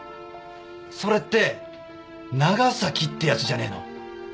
それって長崎って奴じゃねえの？